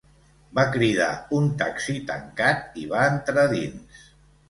Va cridar un taxi tancat i va entrar dins.